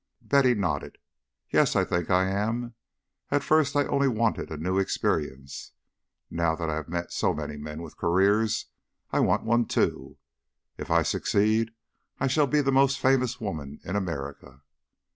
Betty nodded. "Yes, I think I am. At first I only wanted a new experience. Now that I have met so many men with careers, I want one too. If I succeed, I shall be the most famous woman in America."